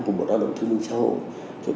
cùng bộ đạo đồng thông minh xã hội